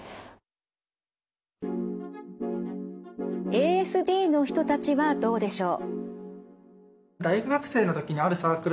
ＡＳＤの人たちはどうでしょう。